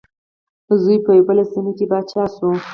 زوی په یوه بله سیمه کې پاچا شو.